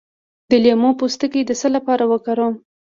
د لیمو پوستکی د څه لپاره وکاروم؟